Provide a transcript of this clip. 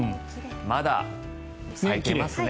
まだ咲いてますね。